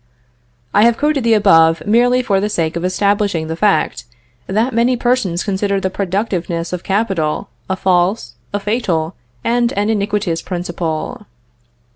I have quoted the above, merely for the sake of establishing the fact, that many persons consider the productiveness of capital a false, a fatal, and an iniquitous principle.